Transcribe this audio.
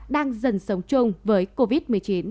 đang dần sống chung với covid một mươi chín